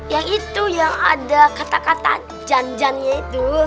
yang itu yang ada kata kata jan jan nya itu